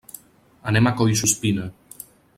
Anem a Collsuspina.